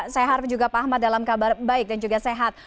sehat juga pak ahmad dalam kabar baik dan juga sehat